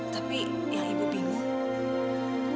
tapi yang ibu bingung